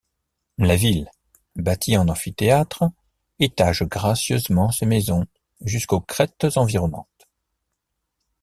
La ville, bâtie en amphithéâtre, étage gracieusement ses maisons jusqu’aux crêtes environnantes.